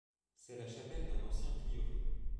C'est la chapelle d'un ancien prieuré.